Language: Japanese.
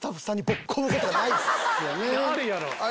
あるやろ。